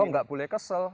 oh nggak boleh kesel